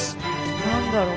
何だろう？